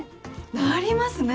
なりますね。